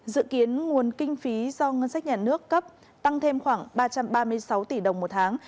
dự kiến nguồn kinh phí do ngân sách nhà nước cấp tăng thêm khoảng ba trăm ba mươi sáu tỷ đồng một tháng